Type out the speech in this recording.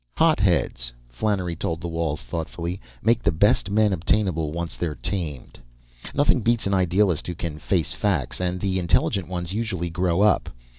"Hotheads," Flannery told the walls thoughtfully, "make the best men obtainable, once they're tamed. Nothing beats an idealist who can face facts. And the intelligent ones usually grow up.